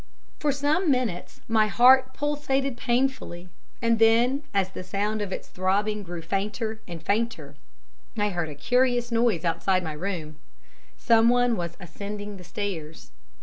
"For some minutes my heart pulsated painfully, and then as the sound of its throbbing grew fainter and fainter, I heard a curious noise outside my room someone was ascending the stairs.